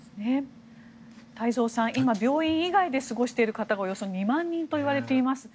太蔵さん、今病院以外で過ごしている方がおよそ２万人といわれています。